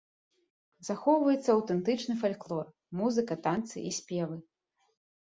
Захоўваецца аўтэнтычны фальклор, музыка, танцы і спевы.